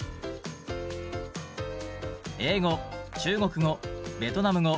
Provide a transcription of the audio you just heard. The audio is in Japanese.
中国語ベトナム語